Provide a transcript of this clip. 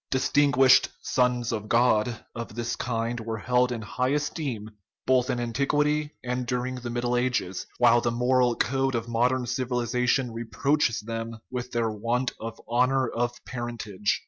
Distinguished " sons of God " of this kind were held in high esteem both in antiquity and during the Middle Ages, while the moral code of modern civilization re proaches them with their want of honorable parentage.